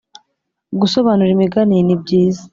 Gusobanura imigani ni byiza